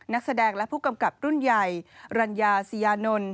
นักแสดงและผู้กำกับรุ่นใหญ่รัญญาศรียานนท์